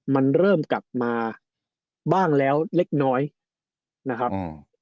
มันเริ่มกลับมาบ้างแล้วเล็กน้อยนะครับอืม